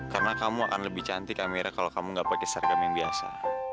karena kamu akan lebih cantik amira kalo kamu gak pake seragam yang biasa